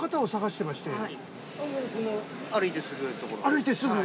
歩いてすぐ。